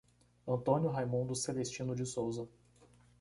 Antônio Raimundo Celestino de Souza